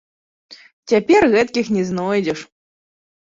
Цяпер гэткіх не знойдзеш.